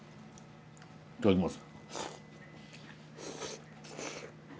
いただきます。